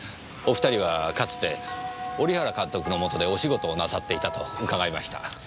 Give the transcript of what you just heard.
お２人はかつて織原監督のもとでお仕事をなさっていたと伺いました。